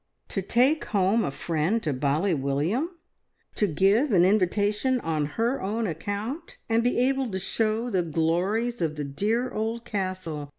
To take home a friend to Bally William! To give an invitation on her own account, and be able to show the glories of the dear old Castle!